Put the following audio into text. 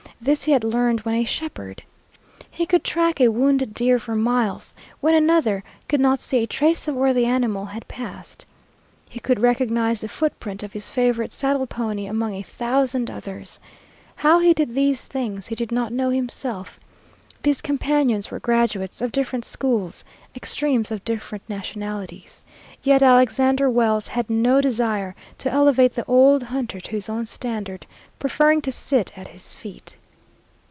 This he had learned when a shepherd. He could track a wounded deer for miles, when another could not see a trace of where the animal had passed. He could recognize the footprint of his favorite saddle pony among a thousand others. How he did these things he did not know himself. These companions were graduates of different schools, extremes of different nationalities. Yet Alexander Wells had no desire to elevate the old hunter to his own standard, preferring to sit at his feet.